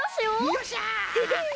よっしゃ！